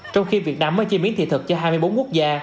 trong khi việt nam mới chi miễn thị thực cho hai mươi bốn quốc gia